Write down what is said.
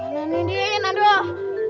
gana nih dia ingin adoh